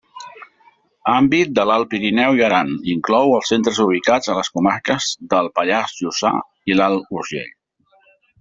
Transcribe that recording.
Àmbit de l'Alt Pirineu i Aran: inclou els centres ubicats a les comarques del Pallars Jussà i l'Alt Urgell.